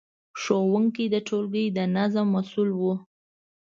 ښوونکي د ټولګي د نظم مسؤل وو.